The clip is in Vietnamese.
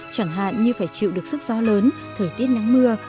chẳng hạn như phải chịu được sức gió lớn thời tiết nắng mưa